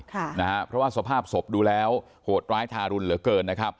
เพราะว่าสภาพศพดูแล้วโหดร้ายทารุณเหลือเกิน